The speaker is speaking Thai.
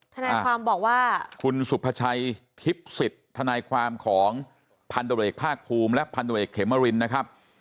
ฐความบอกว่าคุณสุพชัยธิปศิษย์ฐความของพันธุเอกภาคภูมิและพันธุเอกเขมรินนะครับ